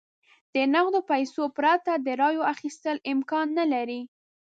د نغدو پیسو پرته د رایو اخیستل امکان نه لري.